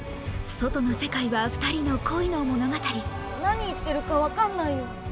外の世界は２人の恋の物語何言ってるか分かんないよ。